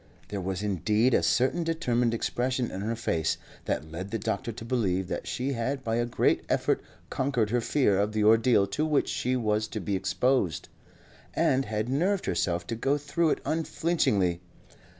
There was indeed a certain determined expression in her face that led the doctor to believe that she had by a great effort conquered her fear of the ordeal to which she was to be exposed, and had nerved herself to go through it unflinchingly.